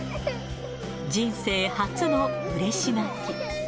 人生初のうれし泣き。